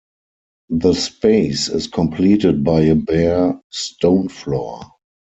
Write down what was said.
The space is completed by a bare stone floor.